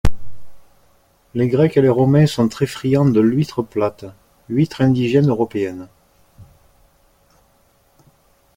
Les Grecs et les Romains sont très friands de l'huître plate, huître indigène européenne.